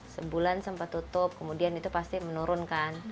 sebulan sempat tutup kemudian itu pasti menurun kan